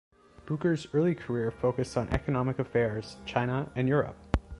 Boucher's early career focused on economic affairs, China and Europe.